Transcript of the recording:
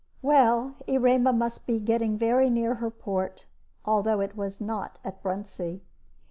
Well, Erema must be getting very near her port, although it was not at Bruntsea.